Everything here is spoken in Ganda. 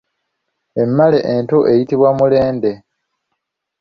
Emmale ento eyitibwa Mulende.